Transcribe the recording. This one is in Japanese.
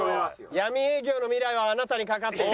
闇営業の未来はあなたに懸かっている。